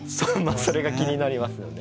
それが気になりますよね。